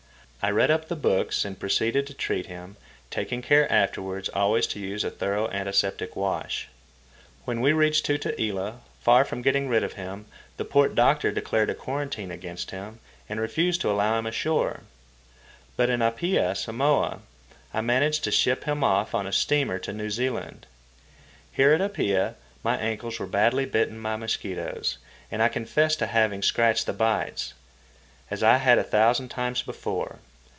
I read up the books and proceeded to treat him, taking care afterwards always to use a thorough antiseptic wash. When we reached Tutuila, far from getting rid of him, the port doctor declared a quarantine against him and refused to allow him ashore. But at Apia, Samoa, I managed to ship him off on a steamer to New Zealand. Here at Apia my ankles were badly bitten by mosquitoes, and I confess to having scratched the bites—as I had a thousand times before.